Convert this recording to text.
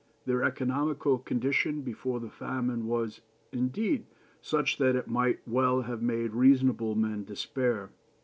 Their economical condition before the famine was, indeed, such that it might well have made reasonable men despair.